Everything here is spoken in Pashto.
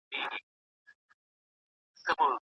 ګوندي دی مي برابر د کور پر خوا کړي